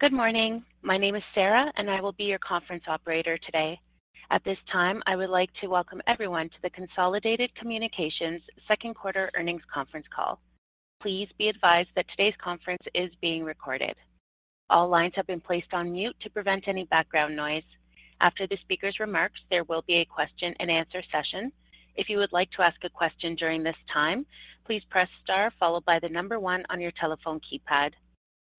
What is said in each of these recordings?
Good morning. My name is Sarah, and I will be your conference operator today. At this time, I would like to welcome everyone to the Consolidated Communications second quarter earnings conference call. Please be advised that today's conference is being recorded. All lines have been placed on mute to prevent any background noise. After the speaker's remarks, there will be a question and answer session. If you would like to ask a question during this time, please press star followed by the number one on your telephone keypad.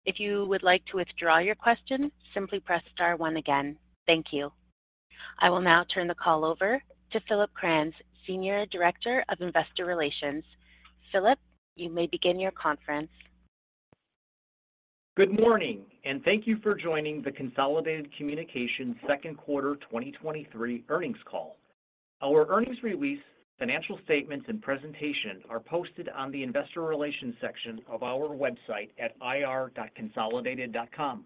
If you would like to withdraw your question, simply press star one again. Thank you. I will now turn the call over to Philip Kranz, Senior Director of Investor Relations. Philip, you may begin your conference. Good morning, and thank you for joining the Consolidated Communications 2nd quarter 2023 earnings call. Our earnings release, financial statements, and presentation are posted on the investor relations section of our website at ir.consolidated.com.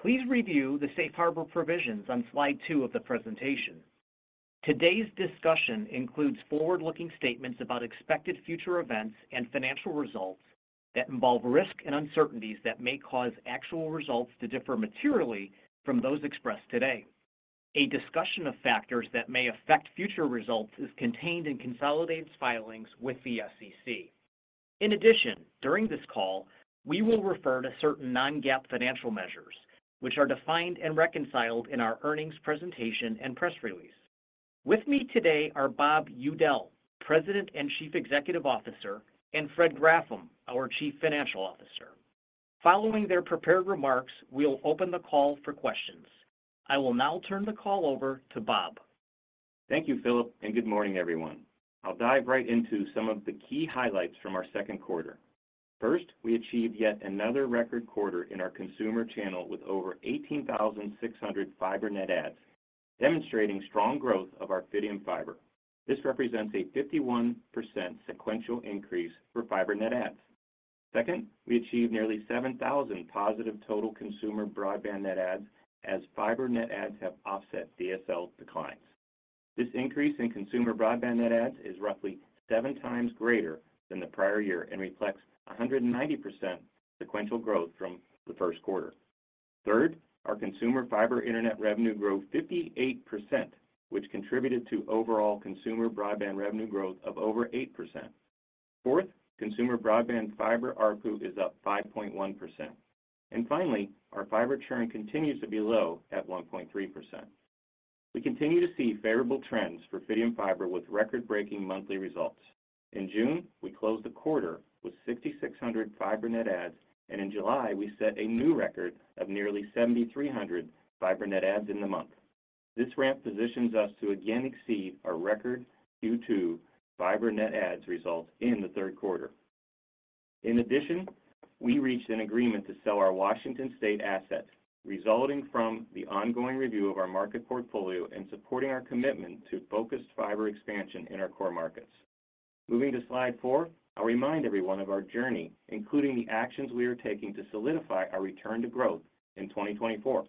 Please review the safe harbor provisions on slide two of the presentation. Today's discussion includes forward-looking statements about expected future events and financial results that involve risk and uncertainties that may cause actual results to differ materially from those expressed today. A discussion of factors that may affect future results is contained in Consolidated filings with the SEC. In addition, during this call, we will refer to certain non-GAAP financial measures, which are defined and reconciled in our earnings presentation and press release. With me today are Bob Udell, President and Chief Executive Officer, and Fred Graffam, our Chief Financial Officer. Following their prepared remarks, we'll open the call for questions. I will now turn the call over to Bob. Thank you, Philip, and good morning, everyone. I'll dive right into some of the key highlights from our second quarter. First, we achieved yet another record quarter in our consumer channel with over 18,600 fiber net adds, demonstrating strong growth of our Fidium Fiber. This represents a 51% sequential increase for fiber net adds. Second, we achieved nearly 7,000 positive total consumer broadband net adds, as fiber net adds have offset DSL declines. This increase in consumer broadband net adds is roughly seven times greater than the prior year and reflects a 190% sequential growth from the first quarter. Third, our consumer fiber internet revenue grew 58%, which contributed to overall consumer broadband revenue growth of over 8%. Fourth, consumer broadband fiber ARPU is up 5.1%. Finally, our fiber churn continues to be low at 1.3%. We continue to see favorable trends for Fidium Fiber with record-breaking monthly results. In June, we closed the quarter with 6,600 fiber net adds, and in July, we set a new record of nearly 7,300 fiber net adds in the month. This ramp positions us to again exceed our record Q2 fiber net adds results in the third quarter. In addition, we reached an agreement to sell our Washington State assets, resulting from the ongoing review of our market portfolio and supporting our commitment to focused fiber expansion in our core markets. Moving to slide four, I'll remind everyone of our journey, including the actions we are taking to solidify our return to growth in 2024.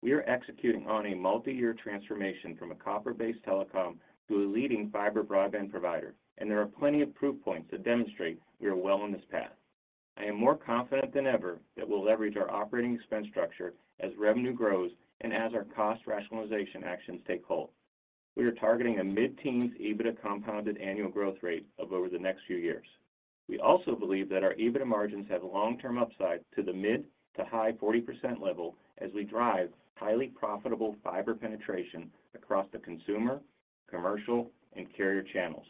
We are executing on a multi-year transformation from a copper-based telecom to a leading fiber broadband provider, and there are plenty of proof points that demonstrate we are well on this path. I am more confident than ever that we'll leverage our operating expense structure as revenue grows and as our cost rationalization actions take hold. We are targeting a mid-teens EBITDA compounded annual growth rate of over the next few years. We also believe that our EBITDA margins have long-term upside to the mid to high 40% level as we drive highly profitable fiber penetration across the consumer, commercial, and carrier channels.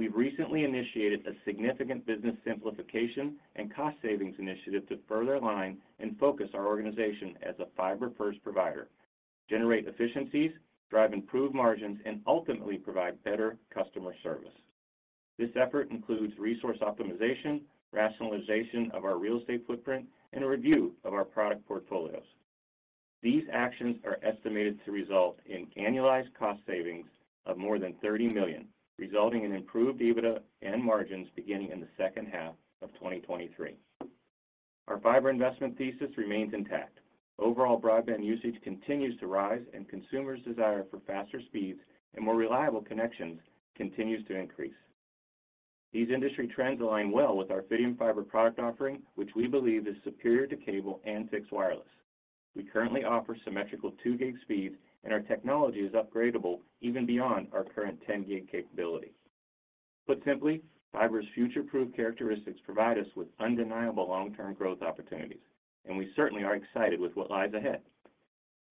We've recently initiated a significant business simplification and cost savings initiative to further align and focus our organization as a fiber-first provider, generate efficiencies, drive improved margins, and ultimately provide better customer service. This effort includes resource optimization, rationalization of our real estate footprint, and a review of our product portfolios. These actions are estimated to result in annualized cost savings of more than $30 million, resulting in improved EBITDA and margins beginning in the second half of 2023. Our fiber investment thesis remains intact. Overall, broadband usage continues to rise, and consumers' desire for faster speeds and more reliable connections continues to increase. These industry trends align well with our Fidium Fiber product offering, which we believe is superior to cable and fixed wireless. We currently offer symmetrical 2 GB speeds, and our technology is upgradable even beyond our current 10 GB capability. Put simply, fiber's future-proof characteristics provide us with undeniable long-term growth opportunities, and we certainly are excited with what lies ahead.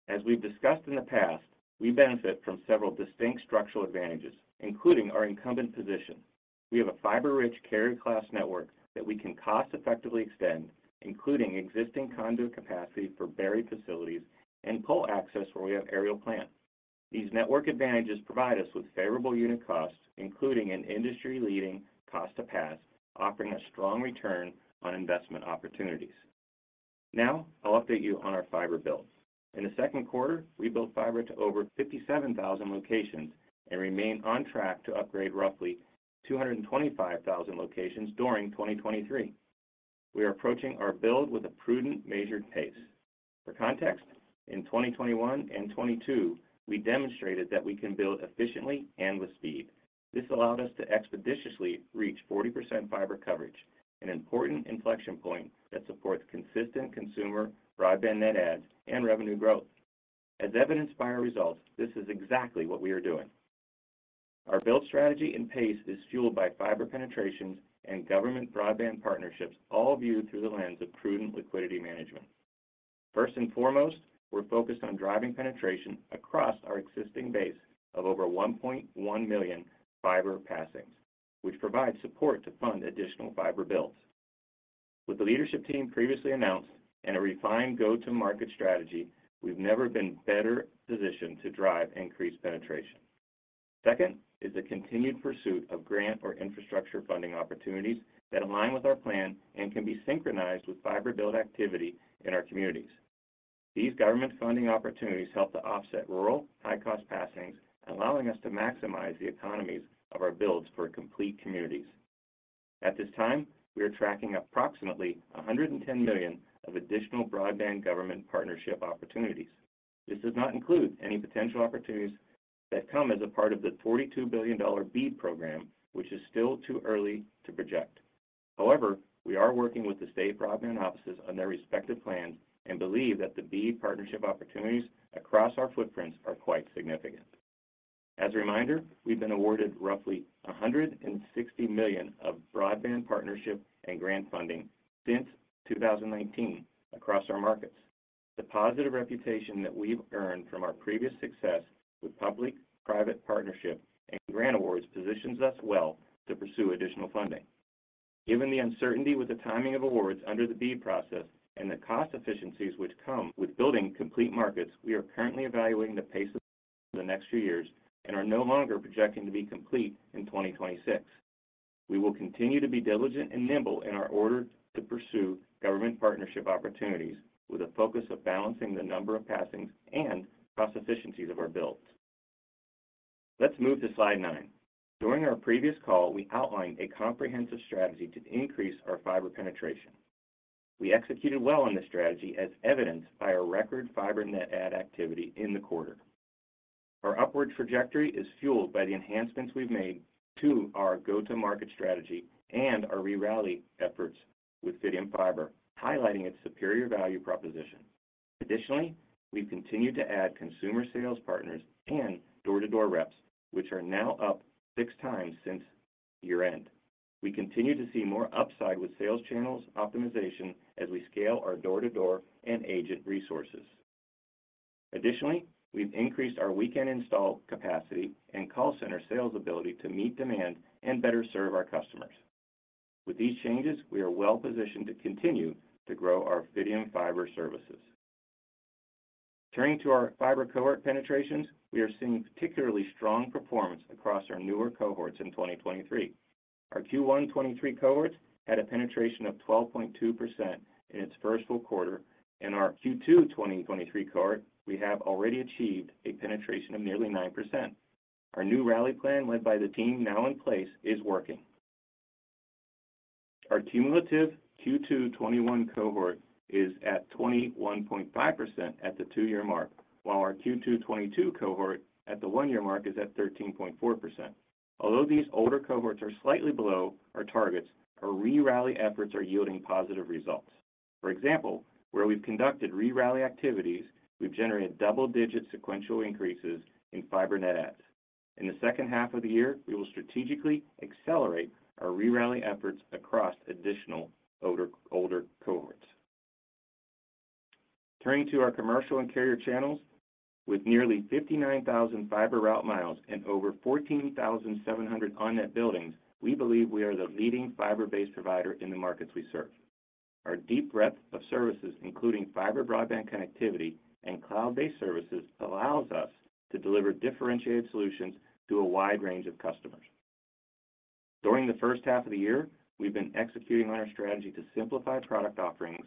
As we've discussed in the past, we benefit from several distinct structural advantages, including our incumbent position. We have a fiber-rich carrier class network that we can cost effectively extend, including existing conduit capacity for buried facilities and pole access where we have aerial plant. These network advantages provide us with favorable unit costs, including an industry-leading cost to pass, offering a strong ROI opportunities. I'll update you on our fiber build. In the second quarter, we built fiber to over 57,000 locations and remain on track to upgrade roughly 225,000 locations during 2023. We are approaching our build with a prudent, measured pace. For context, in 2021 and 2022, we demonstrated that we can build efficiently and with speed. This allowed us to expeditiously reach 40% fiber coverage, an important inflection point that supports consistent consumer broadband net adds and revenue growth. As evidenced by our results, this is exactly what we are doing. Our build strategy and pace is fueled by fiber penetrations and government broadband partnerships, all viewed through the lens of prudent liquidity management. First and foremost, we're focused on driving penetration across our existing base of over 1.1 million fiber passings, which provide support to fund additional fiber builds. With the leadership team previously announced and a refined go-to-market strategy, we've never been better positioned to drive increased penetration. Second, is the continued pursuit of grant or infrastructure funding opportunities that align with our plan and can be synchronized with fiber build activity in our communities. These government funding opportunities help to offset rural, high-cost passings, allowing us to maximize the economies of our builds for complete communities. At this time, we are tracking approximately $110 million of additional broadband government partnership opportunities. This does not include any potential opportunities that come as a part of the $42 billion BEAD program, which is still too early to project. However, we are working with the state broadband offices on their respective plans and believe that the BEAD partnership opportunities across our footprints are quite significant. As a reminder, we've been awarded roughly $160 million of broadband partnership and grant funding since 2019 across our markets. The positive reputation that we've earned from our previous success with public, private partnership, and grant awards, positions us well to pursue additional funding. Given the uncertainty with the timing of awards under the BEAD process and the cost efficiencies which come with building complete markets, we are currently evaluating the pace of the next few years and are no longer projecting to be complete in 2026. We will continue to be diligent and nimble in our order to pursue government partnership opportunities, with a focus of balancing the number of passings and cost efficiencies of our builds. Let's move to slide nine. During our previous call, we outlined a comprehensive strategy to increase our fiber penetration. We executed well on this strategy, as evidenced by our record fiber net add activity in the quarter. Our upward trajectory is fueled by the enhancements we've made to our go-to-market strategy and our re-rally efforts with Fidium Fiber, highlighting its superior value proposition. Additionally, we've continued to add consumer sales partners and door-to-door reps, which are now up six times since year-end. We continue to see more upside with sales channels optimization as we scale our door-to-door and agent resources. Additionally, we've increased our weekend install capacity and call center sales ability to meet demand and better serve our customers. With these changes, we are well positioned to continue to grow our Fidium Fiber services. Turning to our fiber cohort penetrations, we are seeing particularly strong performance across our newer cohorts in 2023. Our Q123 cohorts had a penetration of 12.2% in its first full quarter. In our Q2 2023 cohort, we have already achieved a penetration of nearly 9%. Our new rally plan, led by the team now in place, is working. Our cumulative Q2 2021 cohort is at 21.5% at the two-year mark, while our Q2 2022 cohort at the one-year mark is at 13.4%. Although these older cohorts are slightly below our targets, our re-rally efforts are yielding positive results. For example, where we've conducted re-rally activities, we've generated double-digit sequential increases in fiber net adds. In the second half of the year, we will strategically accelerate our re-rally efforts across additional older, older cohorts. Turning to our commercial and carrier channels, with nearly 59,000 fiber route miles and over 14,700 on-net buildings, we believe we are the leading fiber-based provider in the markets we serve. Our deep breadth of services, including fiber broadband connectivity and cloud-based services, allows us to deliver differentiated solutions to a wide range of customers. During the first half of the year, we've been executing on our strategy to simplify product offerings,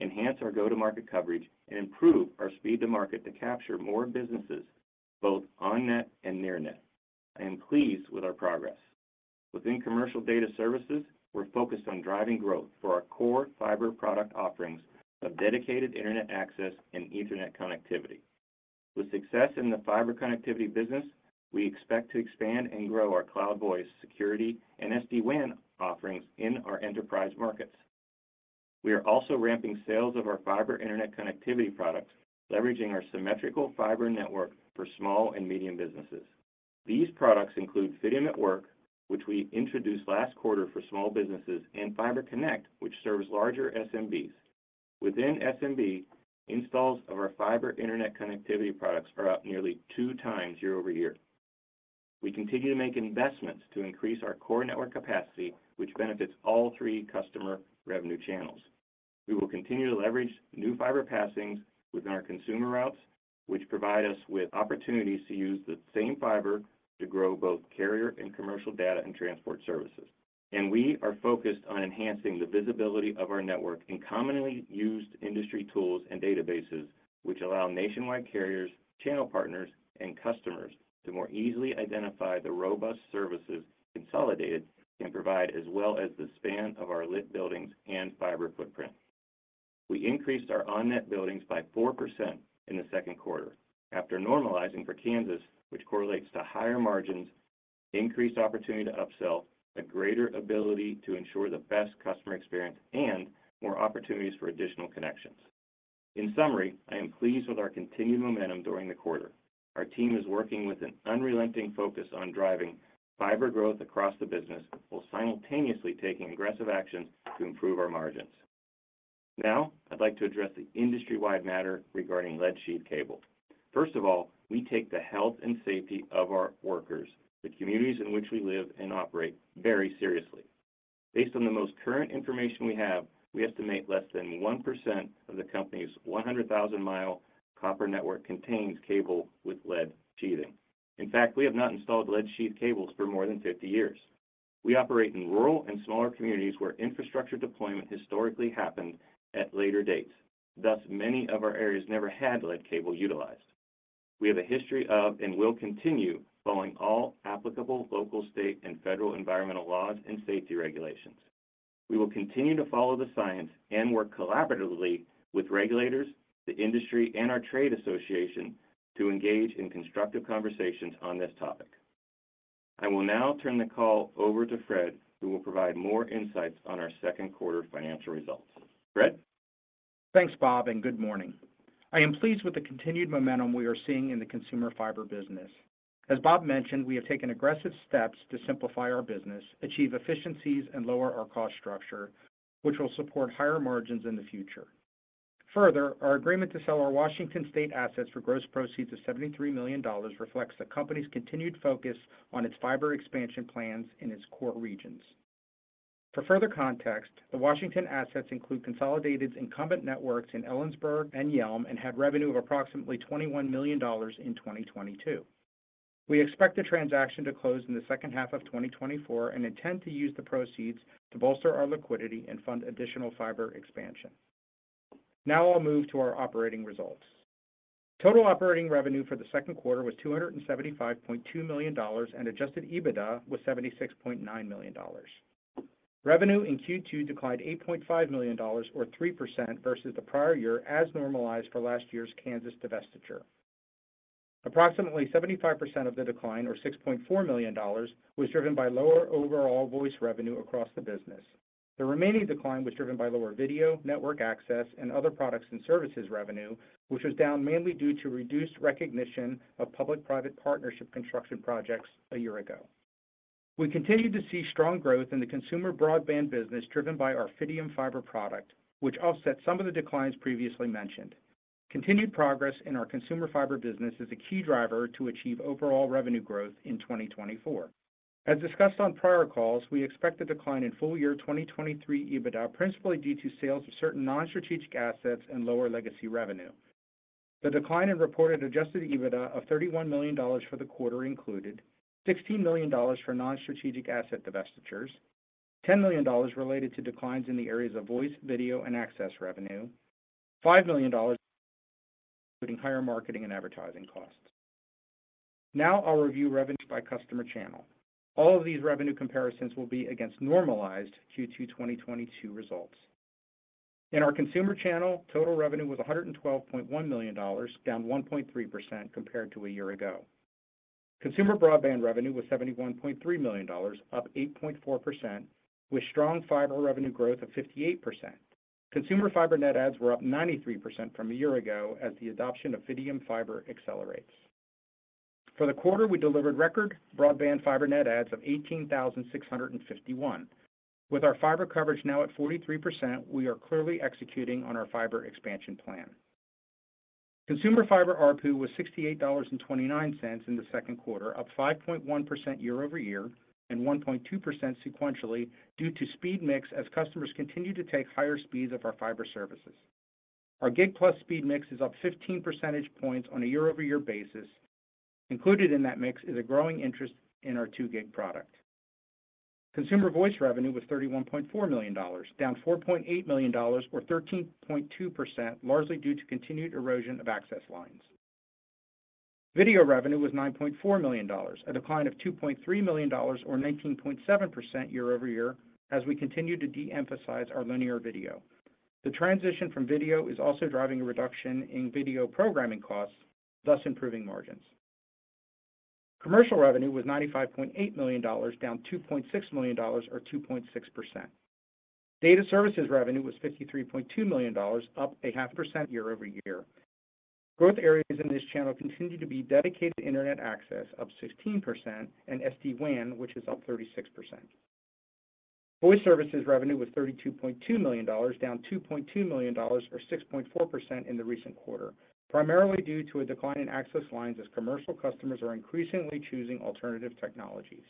enhance our go-to-market coverage, and improve our speed to market to capture more businesses, both on-net and near net. I am pleased with our progress. Within commercial data services, we're focused on driving growth for our core fiber product offerings of dedicated internet access and Ethernet connectivity. With success in the fiber connectivity business, we expect to expand and grow our cloud voice security and SD-WAN offerings in our enterprise markets. We are also ramping sales of our fiber internet connectivity products, leveraging our symmetrical fiber network for small and medium businesses. These products include Fidium@Work, which we introduced last quarter for small businesses, and FiberConnect, which serves larger SMBs. Within SMB, installs of our fiber internet connectivity products are up nearly two times year-over-year. We continue to make investments to increase our core network capacity, which benefits all three customer revenue channels. We will continue to leverage new fiber passings within our consumer routes, which provide us with opportunities to use the same fiber to grow both carrier and commercial data and transport services. We are focused on enhancing the visibility of our network in commonly used industry tools and databases.... which allow nationwide carriers, channel partners, and customers to more easily identify the robust services Consolidated, and provide as well as the span of our lit buildings and fiber footprint. We increased our on-net buildings by 4% in the second quarter, after normalizing for Kansas, which correlates to higher margins, increased opportunity to upsell, a greater ability to ensure the best customer experience, and more opportunities for additional connections. In summary, I am pleased with our continued momentum during the quarter. Our team is working with an unrelenting focus on driving fiber growth across the business, while simultaneously taking aggressive actions to improve our margins. Now, I'd like to address the industry-wide matter regarding lead-sheathed cable. First of all, we take the health and safety of our workers, the communities in which we live and operate, very seriously. Based on the most current information we have, we estimate less than 1% of the company's 100,000-mile copper network contains cable with lead sheathing. In fact, we have not installed lead-sheathed cables for more than 50 years. We operate in rural and smaller communities where infrastructure deployment historically happened at later dates, thus, many of our areas never had lead cable utilized. We have a history of, and will continue, following all applicable local, state, and federal environmental laws and safety regulations. We will continue to follow the science and work collaboratively with regulators, the industry, and our trade association to engage in constructive conversations on this topic. I will now turn the call over to Fred, who will provide more insights on our second quarter financial results. Fred? Thanks, Bob, and good morning. I am pleased with the continued momentum we are seeing in the consumer fiber business. As Bob mentioned, we have taken aggressive steps to simplify our business, achieve efficiencies, and lower our cost structure, which will support higher margins in the future. Further, our agreement to sell our Washington State assets for gross proceeds of $73 million reflects the company's continued focus on its fiber expansion plans in its core regions. For further context, the Washington assets include consolidated incumbent networks in Ellensburg and Yelm, and had revenue of approximately $21 million in 2022. We expect the transaction to close in the second half of 2024 and intend to use the proceeds to bolster our liquidity and fund additional fiber expansion. Now I'll move to our operating results. Total operating revenue for the second quarter was $275.2 million, and adjusted EBITDA was $76.9 million. Revenue in Q2 declined $8.5 million or 3% versus the prior year, as normalized for last year's Kansas divestiture. Approximately 75% of the decline, or $6.4 million, was driven by lower overall voice revenue across the business. The remaining decline was driven by lower video, network access, and other products and services revenue, which was down mainly due to reduced recognition of public-private partnership construction projects a year ago. We continued to see strong growth in the consumer broadband business, driven by our Fidium Fiber product, which offset some of the declines previously mentioned. Continued progress in our consumer fiber business is a key driver to achieve overall revenue growth in 2024. As discussed on prior calls, we expect a decline in full year 2023 EBITDA, principally due to sales of certain non-strategic assets and lower legacy revenue. The decline in reported adjusted EBITDA of $31 million for the quarter included $16 million for non-strategic asset divestitures, $10 million related to declines in the areas of voice, video, and access revenue, $5 million, including higher marketing and advertising costs. Now I'll review revenue by customer channel. All of these revenue comparisons will be against normalized Q2 2022 results. In our consumer channel, total revenue was $112.1 million, down 1.3% compared to a year ago. Consumer broadband revenue was $71.3 million, up 8.4%, with strong fiber revenue growth of 58%. Consumer fiber net adds were up 93% from a year ago as the adoption of Fidium Fiber accelerates. For the quarter, we delivered record broadband fiber net adds of 18,651. With our fiber coverage now at 43%, we are clearly executing on our fiber expansion plan. consumer fiber ARPU was $68.29 in the second quarter, up 5.1% year-over-year, and 1.2% sequentially, due to speed mix as customers continue to take higher speeds of our fiber services. Our Gig+ Speed mix is up 15 percentage points on a year-over-year basis. Included in that mix is a growing interest in our 2 gig product. Consumer voice revenue was $31.4 million, down $4.8 million or 13.2%, largely due to continued erosion of access lines. Video revenue was $9.4 million, a decline of $2.3 million, or 19.7% year-over-year, as we continue to de-emphasize our linear video. The transition from video is also driving a reduction in video programming costs, thus improving margins. Commercial revenue was $95.8 million, down $2.6 million, or 2.6%. Data services revenue was $53.2 million, up 0.5% year-over-year. Growth areas in this channel continue to be dedicated internet access, up 16%, and SD-WAN, which is up 36%. Voice services revenue was $32.2 million, down $2.2 million or 6.4% in the recent quarter, primarily due to a decline in access lines as commercial customers are increasingly choosing alternative technologies.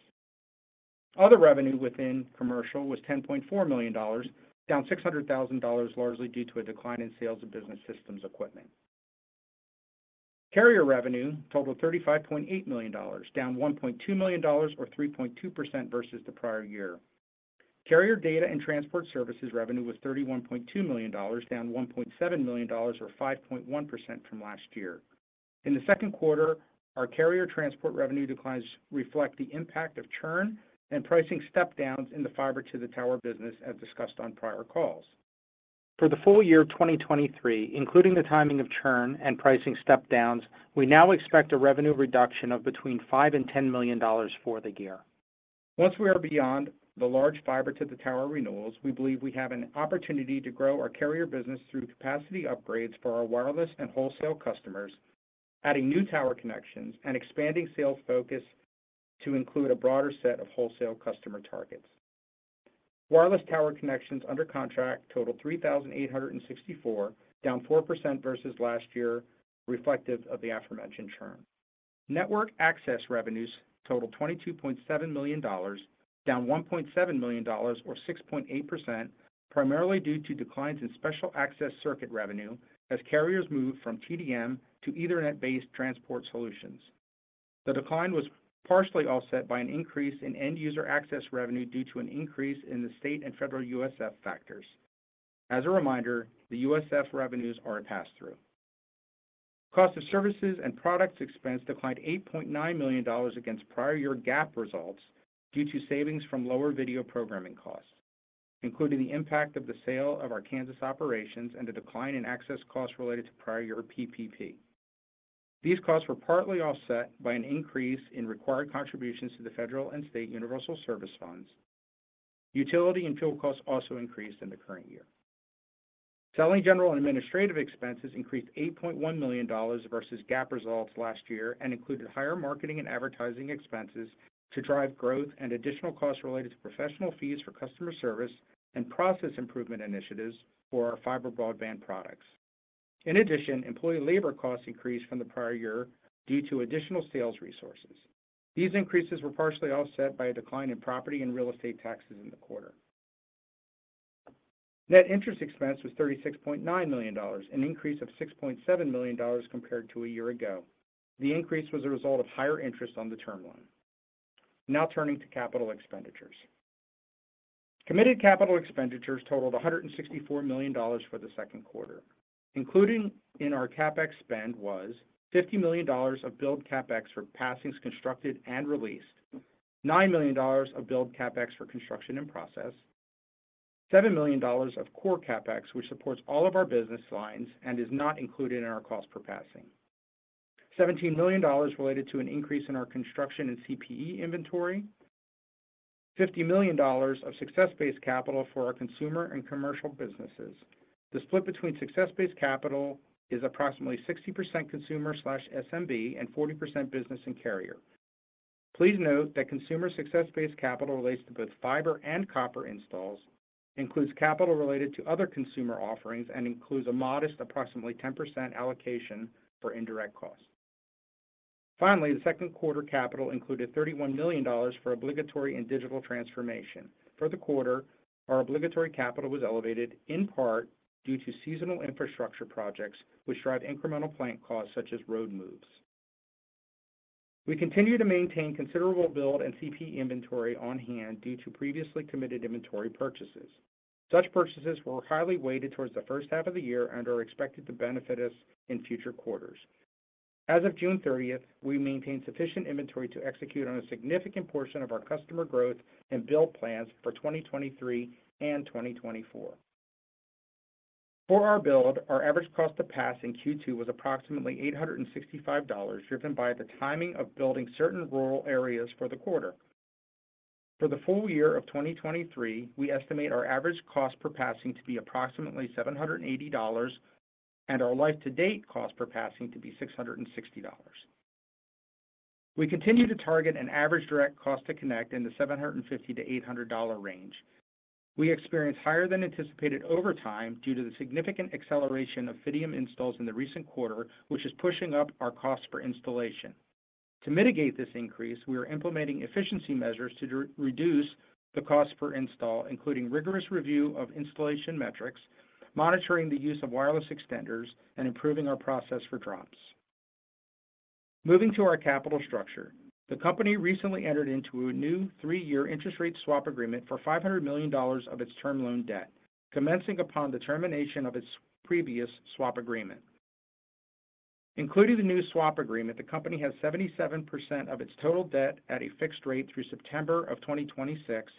Other revenue within commercial was $10.4 million, down $600,000, largely due to a decline in sales of business systems equipment. Carrier revenue totaled $35.8 million, down $1.2 million or 3.2% versus the prior year. Carrier data and transport services revenue was $31.2 million, down $1.7 million, or 5.1% from last year. In the second quarter, our carrier transport revenue declines reflect the impact of churn and pricing step downs in the fiber-to-the-tower business, as discussed on prior calls. For the full year of 2023, including the timing of churn and pricing step downs, we now expect a revenue reduction of between $5 million and $10 million for the year. Once we are beyond the large fiber-to-the-tower renewals, we believe we have an opportunity to grow our carrier business through capacity upgrades for our wireless and wholesale customers, adding new tower connections and expanding sales focus to include a broader set of wholesale customer targets. Wireless tower connections under contract totaled 3,864, down 4% versus last year, reflective of the aforementioned churn. Network access revenues totaled $22.7 million, down $1.7 million, or 6.8%, primarily due to declines in special access circuit revenue as carriers move from TDM to Ethernet-based transport solutions. The decline was partially offset by an increase in end user access revenue due to an increase in the state and federal USF factors. As a reminder, the USF revenues are a pass-through. Cost of services and products expense declined $8.9 million against prior year GAAP results due to savings from lower video programming costs, including the impact of the sale of our Kansas operations and a decline in access costs related to prior year PPP. These costs were partly offset by an increase in required contributions to the federal and state universal service funds. Utility and fuel costs also increased in the current year. Selling general and administrative expenses increased $8.1 million versus GAAP results last year, included higher marketing and advertising expenses to drive growth and additional costs related to professional fees for customer service and process improvement initiatives for our fiber broadband products. In addition, employee labor costs increased from the prior year due to additional sales resources. These increases were partially offset by a decline in property and real estate taxes in the quarter. Net interest expense was $36.9 million, an increase of $6.7 million compared to a year ago. The increase was a result of higher interest on the term loan. Turning to capital expenditures. Committed capital expenditures totaled $164 million for the second quarter. Including in our CapEx spend was $50 million of build CapEx for passings constructed and released, $9 million of build CapEx for construction in process, $7 million of core CapEx, which supports all of our business lines and is not included in our cost per passing. $17 million related to an increase in our construction and CPE inventory, $50 million of success-based capital for our consumer and commercial businesses. The split between success-based capital is approximately 60% consumer/SMB and 40% business and carrier. Please note that consumer success-based capital relates to both fiber and copper installs, includes capital related to other consumer offerings, and includes a modest, approximately 10% allocation for indirect costs. Finally, the second quarter capital included $31 million for obligatory and digital transformation. For the quarter, our obligatory capital was elevated, in part, due to seasonal infrastructure projects, which drive incremental plant costs such as road moves. We continue to maintain considerable build and CPE inventory on hand due to previously committed inventory purchases. Such purchases were highly weighted towards the first half of the year and are expected to benefit us in future quarters. As of June thirtieth, we maintained sufficient inventory to execute on a significant portion of our customer growth and build plans for 2023 and 2024. For our build, our average cost to pass in Q2 was approximately $865, driven by the timing of building certain rural areas for the quarter. For the full year of 2023, we estimate our average cost per passing to be approximately $780, and our life to date cost per passing to be $660. We continue to target an average direct cost to connect in the $750-$800 range. We experienced higher than anticipated overtime due to the significant acceleration of Fidium installs in the recent quarter, which is pushing up our cost for installation. To mitigate this increase, we are implementing efficiency measures to re-reduce the cost per install, including rigorous review of installation metrics, monitoring the use of wireless extenders, and improving our process for drops. Moving to our capital structure. The company recently entered into a new three-year interest rate swap agreement for $500 million of its term loan debt, commencing upon the termination of its previous swap agreement. Including the new swap agreement, the company has 77% of its total debt at a fixed rate through September of 2026.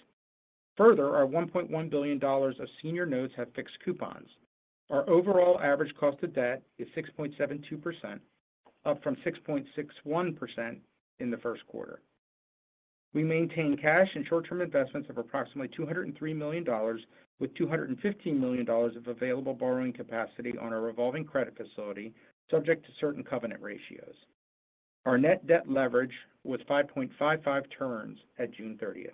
Our $1.1 billion of senior notes have fixed coupons. Our overall average cost of debt is 6.72%, up from 6.61% in the first quarter. We maintain cash and short-term investments of approximately $203 million, with $215 million of available borrowing capacity on our revolving credit facility, subject to certain covenant ratios. Our net debt leverage was 5.55 turns at June thirtieth.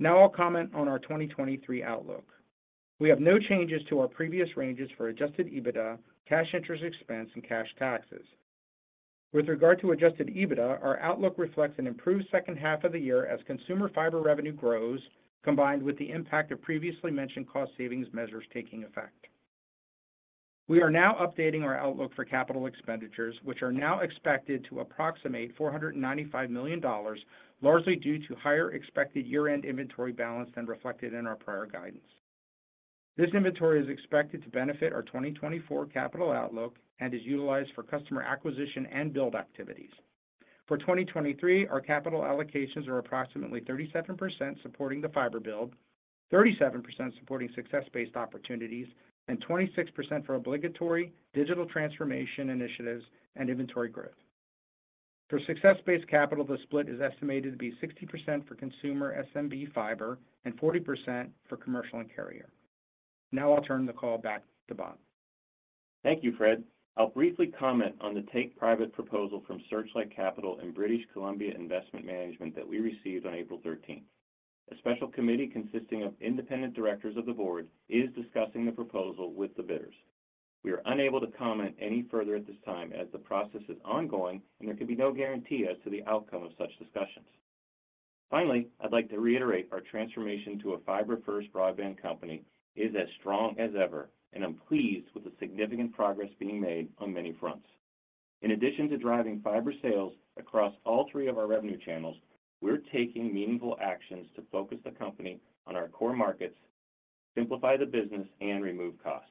Now I'll comment on our 2023 outlook. We have no changes to our previous ranges for adjusted EBITDA, cash interest expense, and cash taxes. With regard to adjusted EBITDA, our outlook reflects an improved second half of the year as consumer fiber revenue grows, combined with the impact of previously mentioned cost savings measures taking effect. We are now updating our outlook for capital expenditures, which are now expected to approximate $495 million, largely due to higher expected year-end inventory balance than reflected in our prior guidance. This inventory is expected to benefit our 2024 capital outlook and is utilized for customer acquisition and build activities. For 2023, our capital allocations are approximately 37% supporting the fiber build, 37% supporting success-based opportunities, and 26% for obligatory digital transformation initiatives and inventory growth. For success-based capital, the split is estimated to be 60% for consumer SMB fiber and 40% for commercial and carrier. I'll turn the call back to Bob. Thank you, Fred. I'll briefly comment on the take private proposal from Searchlight Capital and British Columbia Investment Management that we received on April 13th. A special committee, consisting of independent directors of the board, is discussing the proposal with the bidders. We are unable to comment any further at this time as the process is ongoing, and there can be no guarantee as to the outcome of such discussions. Finally, I'd like to reiterate our transformation to a fiber-first broadband company is as strong as ever, and I'm pleased with the significant progress being made on many fronts. In addition to driving fiber sales across all three of our revenue channels, we're taking meaningful actions to focus the company on our core markets, simplify the business, and remove costs.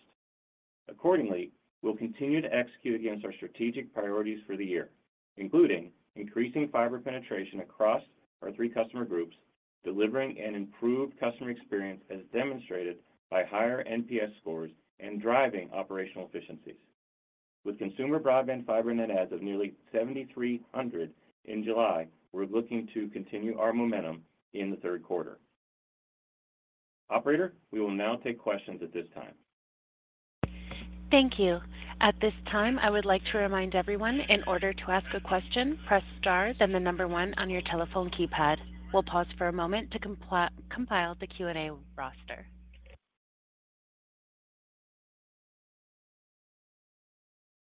Accordingly, we'll continue to execute against our strategic priorities for the year, including increasing fiber penetration across our three customer groups, delivering an improved customer experience as demonstrated by higher NPS scores, and driving operational efficiencies. With consumer broadband fiber net adds of nearly 7,300 in July, we're looking to continue our momentum in the third quarter. Operator, we will now take questions at this time. Thank you. At this time, I would like to remind everyone, in order to ask a question, press star, then the number one on your telephone keypad. We'll pause for a moment to compile the Q&A roster.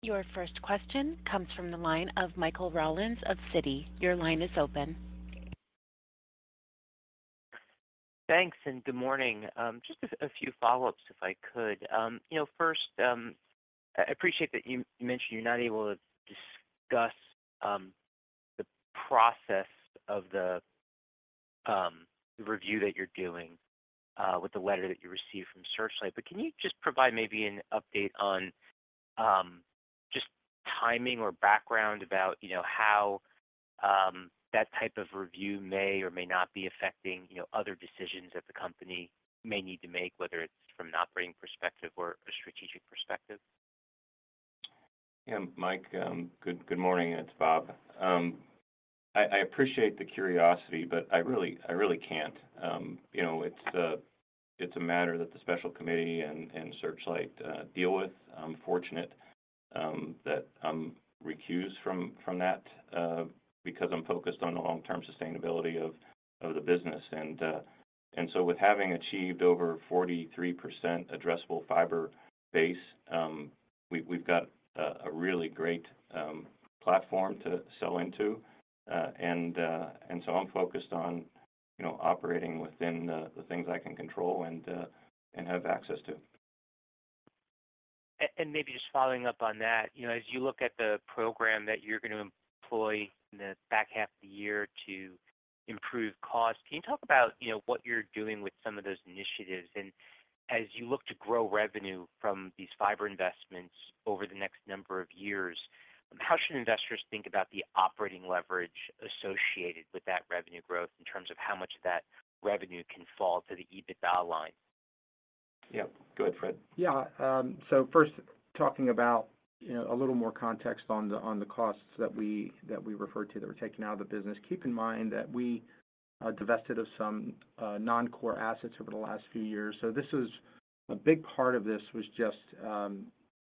Your first question comes from the line of Michael Rollins of Citi. Your line is open. Thanks, good morning. Just a few follow-ups, if I could. You know, first, I, I appreciate that you mentioned you're not able to discuss the process of the review that you're doing with the letter that you received from Searchlight, but can you just provide maybe an update on just timing or background about, you know, how that type of review may or may not be affecting, you know, other decisions that the company may need to make, whether it's from an operating perspective or a strategic perspective? Yeah, Mike, good, good morning. It's Bob. I, I appreciate the curiosity, but I really, I really can't. You know, it's a, it's a matter that the special committee and Searchlight deal with. I'm fortunate that I'm recused from, from that, because I'm focused on the long-term sustainability of, of the business. With having achieved over 43% addressable fiber base, we've, we've got a, a really great platform to sell into. I'm focused on, you know, operating within the, the things I can control and have access to. Maybe just following up on that, you know, as you look at the program that you're going to employ in the back half of the year to improve costs, can you talk about, you know, what you're doing with some of those initiatives? As you look to grow revenue from these fiber investments over the next number of years, how should investors think about the operating leverage associated with that revenue growth in terms of how much of that revenue can fall to the EBITDA line? Yeah. Go ahead, Fred. Yeah. First, talking about, you know, a little more context on the costs that we referred to that were taken out of the business. Keep in mind that we divested of some non-core assets over the last few years. A big part of this was just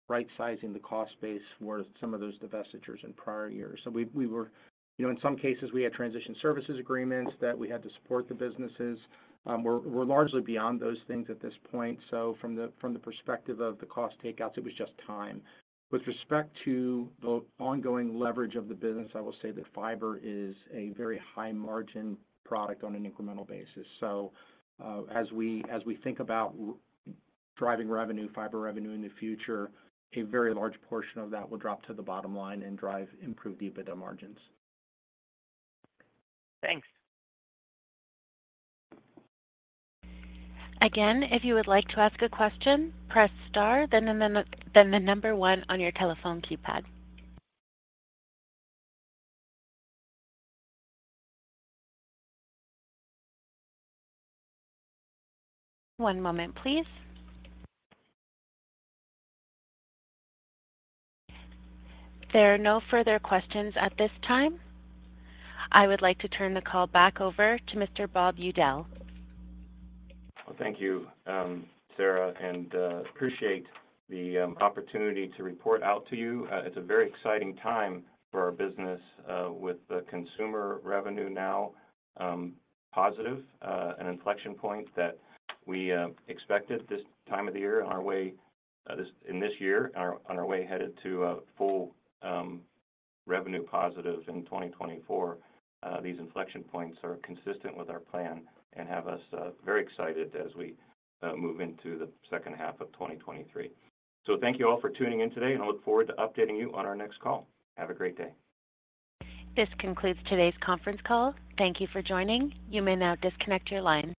right sizing the cost base for some of those divestitures in prior years. We, you know, in some cases, we had transition services agreements that we had to support the businesses. We're largely beyond those things at this point. From the perspective of the cost takeouts, it was just time. With respect to the ongoing leverage of the business, I will say that fiber is a very high margin product on an incremental basis. As we, as we think about driving revenue, fiber revenue in the future, a very large portion of that will drop to the bottom line and drive improved EBITDA margins. Thanks. Again, if you would like to ask a question, press star, then the one on your telephone keypad. One moment, please. There are no further questions at this time. I would like to turn the call back over to Mr. Bob Udell. Well, thank you, Sarah. Appreciate the opportunity to report out to you. It's a very exciting time for our business, with the consumer revenue now positive, an inflection point that we expected this time of the year on our way, this, in this year, on our, on our way headed to a full revenue positive in 2024. These inflection points are consistent with our plan and have us very excited as we move into the second half of 2023. Thank you all for tuning in today, and I look forward to updating you on our next call. Have a great day. This concludes today's conference call. Thank you for joining. You may now disconnect your line.